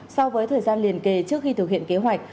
so với thời gian liền kề trước khi thực hiện kế hoạch